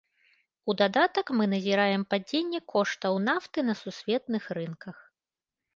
У дадатак мы назіраем падзенне коштаў нафты на сусветных рынках.